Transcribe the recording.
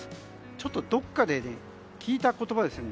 ちょっとどっかで聞いた言葉ですよね。